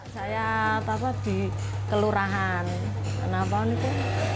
saya tata di kelurahan enam tahun itu